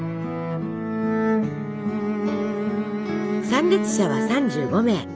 参列者は３５名。